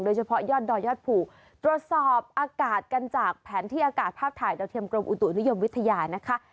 โดยเฉพาะยอดดอยยอดภูตรวจสอบอากาศกันจากแผนที่อากาศภาพถ่ายดาวเทียมกรมอุตุนิยมวิทยานะคะ